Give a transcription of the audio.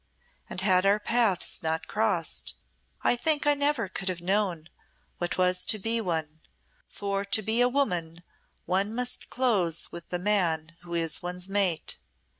And had our paths not crossed, I think I never could have known what 'twas to be one, for to be a woman one must close with the man who is one's mate.